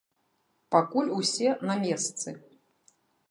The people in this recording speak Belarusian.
Пакуль усе на месцы.